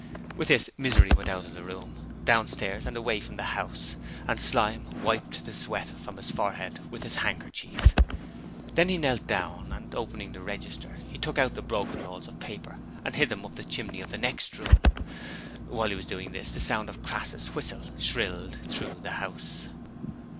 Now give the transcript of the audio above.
With this, Misery went out of the room, downstairs and away from the house, and Slyme wiped the sweat from his forehead with his handkerchief. Then he knelt down and, opening the register, he took out the broken rolls of paper and hid them up the chimney of the next room. While he was doing this the sound of Crass's whistle shrilled through the house.